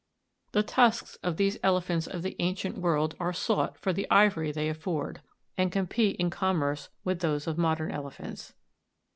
The tusks of these elephants of the ancient world are sought for the ivory they afford, and compete, in commerce, with those of modern elephants.